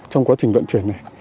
trong quá trình vận chuyển này